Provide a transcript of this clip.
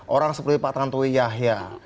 orang seperti pak tantowi yahya